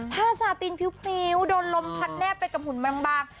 ซาตินพริ้วโดนลมพัดแนบไปกับหุ่นบาง